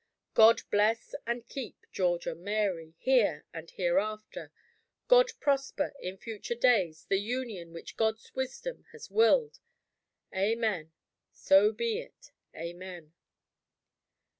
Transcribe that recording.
"God bless and keep George and Mary, here and hereafter! God prosper, in future days, the union which God's wisdom has willed! Amen. So be it. Amen."